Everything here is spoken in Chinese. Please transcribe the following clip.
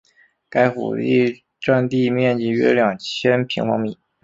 该府第占地面积约两千平方米。